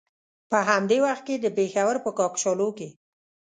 په همدې وخت کې د پېښور په کاکشالو کې.